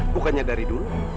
bukannya dari dulu